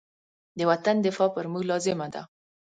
د وطن دفاع پر موږ لازمه ده.